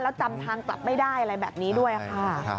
แล้วจำทางกลับไม่ได้อะไรแบบนี้ด้วยค่ะ